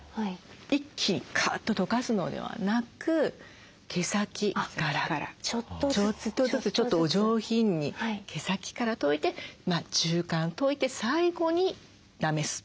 一気にかっととかすのではなく毛先からちょっとずつちょっとお上品に毛先からといて中間といて最後になめす。